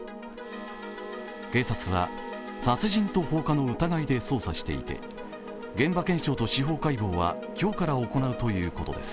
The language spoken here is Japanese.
警察は、殺人と放火の疑いで捜査していて現場検証と司法解剖は今日から行うということです。